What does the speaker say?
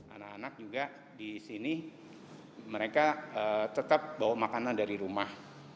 anak anak juga di sini mereka tetap bawa makanan dari rumah